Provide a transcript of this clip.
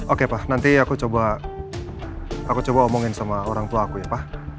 oke pak nanti aku coba aku coba omongin sama orang tua aku ya pak